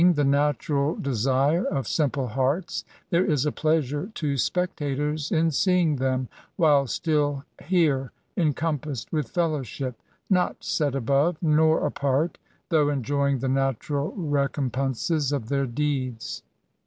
203 the natural desire of simple hearts^ there is a pleasure to spectators in seeing them^ while still here^ encompassed with fellowship — ^not set above, nor apart, though enjoying the natural recompenses of their deeds.